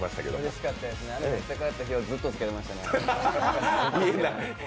うれしかったですね、持って帰った日はずっとつけてましたね。